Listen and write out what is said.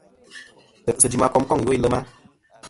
Ntè'sɨ jɨm a kom iwo i lema.